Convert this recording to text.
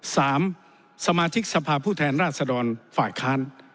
สมาชิกสภาพผู้แทนราชดรฝ่ายค้าน